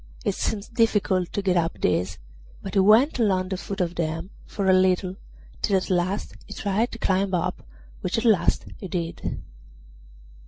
It seemed difficult to get up these, but he went along the foot of them for a little, till at last he tried to climb up, which at last he did.